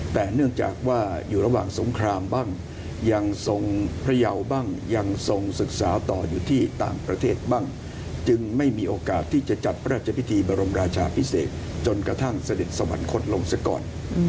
แต่เนื่องจากว่าอยู่ระหว่างสงครามบ้างยังทรงพระเยาบ้างยังทรงศึกษาต่ออยู่ที่ต่างประเทศบ้างจึงไม่มีโอกาสที่จะจัดพระราชพิธีบรมราชาพิเศษจนกระทั่งเสด็จสวรรคตลงซะก่อน